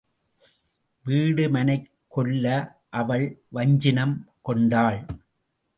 வீடு மனைக் கொல்ல அவள் வஞ்சினம் கொண்டாள்.